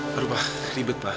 berubah ribet pak